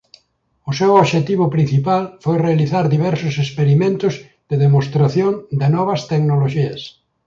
O seu obxectivo principal foi realizar diversos experimentos de demostración de novas tecnoloxías.